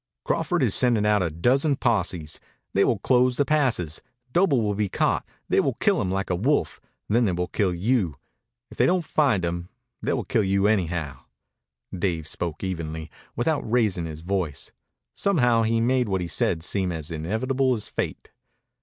"Crawford is sending out a dozen posses. They will close the passes. Doble will be caught. They will kill him like a wolf. Then they will kill you. If they don't find him, they will kill you anyhow." Dave spoke evenly, without raising his voice. Somehow he made what he said seem as inevitable as fate.